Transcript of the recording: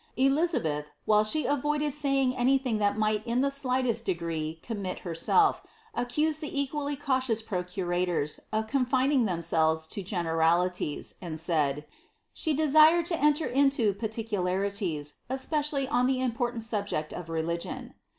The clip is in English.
Elizabeth, while she avoided saying any thing that miglit in the slightest degree commit herself, accused the equally cautious procurators of con fining themselves to generalities, and said, ^^ s)ie desired to enter into particularities, especially on the important subject of religion."